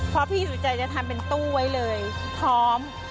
เพราะพี่สุจัยจะทำเป็นตู้ไว้เลยพร้อม